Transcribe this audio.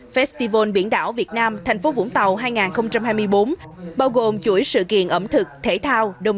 festival biển đảo việt nam thành phố vũng tàu hai nghìn hai mươi bốn bao gồm chuỗi sự kiện ẩm thực thể thao đồng